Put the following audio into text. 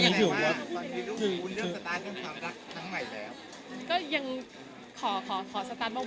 ทำไหนว่าตอนนี้รูปแบบผมเรื่องสตาร์ทกับความรักทั้งไหนนะ